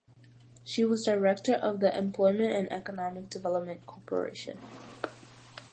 She was Director of the Employment and Economic Development Corporation.